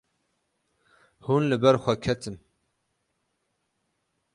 Hûn li ber xwe ketin.